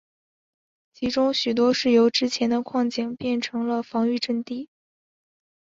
其中许多是由之前的矿井变成了防御阵地。